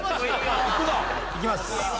いきます。